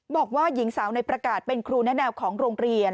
บอกว่าหญิงสาวในประกาศเป็นครูแนะแนวของโรงเรียน